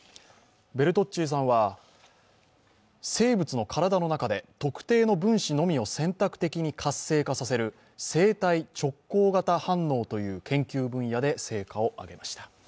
ベルトッツィさんは、生物の体の中で特定の分子のみを選択的に活性化させる生体直交型反応という研究分野で成果を上げました。